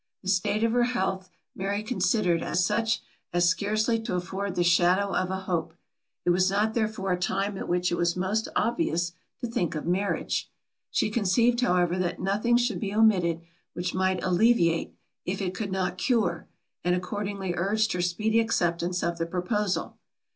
The state of her health Mary considered as such as scarcely to afford the shadow of a hope; it was not therefore a time at which it was most obvious to think of marriage. She conceived however that nothing should be omitted, which might alleviate, if it could not cure; and accordingly urged her speedy acceptance of the proposal.